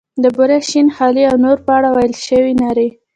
د بورې، شین خالۍ او نورو په اړه ویل شوې نارې.